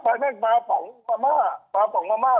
หลังจากพี่ครับว่ามาปล่องมาม่า